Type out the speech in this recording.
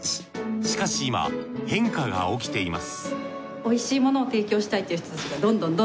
しかし今変化が起きています